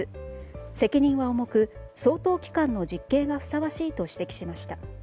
責任は重く相当期間の実刑がふさわしいと指摘しました。